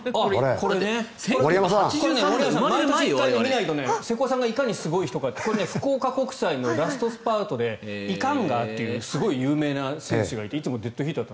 これを見ないと瀬古さんがいかにすごい人かってこれ福岡国際のラストスパートでイカンガーというすごい有名な選手がいていつもデッドヒートだった。